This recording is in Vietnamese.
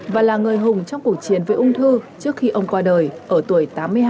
và là người hùng trong cuộc chiến với ung thư trước khi ông qua đời ở tuổi tám mươi hai